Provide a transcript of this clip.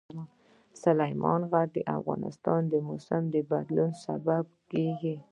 سلیمان غر د افغانستان د موسم د بدلون سبب کېږي.